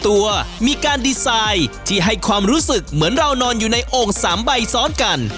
ตัวมีการดีไซน์ที่ให้ความรู้สึกเหมือนเรานอนอยู่ในโอ่ง๓ใบซ้อนกัน